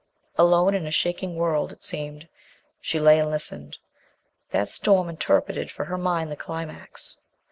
Alone in a shaking world, it seemed, she lay and listened. That storm interpreted for her mind the climax.